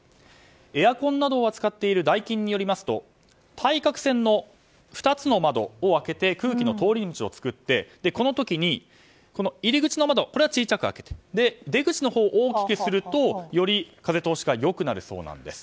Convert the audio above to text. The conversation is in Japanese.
エアコンなどを扱っているダイキンによりますと対角線の２つの窓を開けて空気の通り道を作って、この時に入り口の窓は小さく開けて出口のほうを大きくするとより風通しが良くなるそうです。